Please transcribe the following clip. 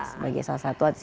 sebagai salah satu atas dikasih